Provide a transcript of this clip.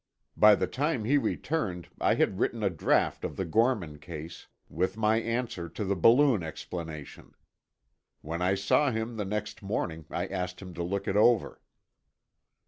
By the time he returned, I had written a draft of the Gorman case, with my answer to the balloon explanation. When I saw him, the next morning, I asked him to look it over.